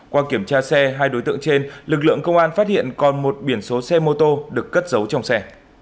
qua kiểm tra xe hai đối tượng trên lực lượng công an phát hiện còn một biển số xe mô tô được cất giấu trong xe